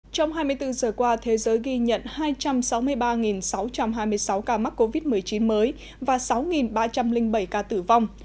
trong hai mươi bốn giờ qua thế giới ghi nhận hai trăm sáu mươi ba sáu trăm hai mươi sáu ca mắc covid một mươi chín mới và sáu ba trăm linh bảy ca tử vong